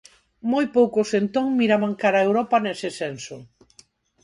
Moi poucos entón miraban cara a Europa nese senso.